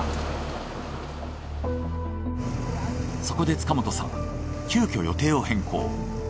そこで塚本さん急きょ予定を変更。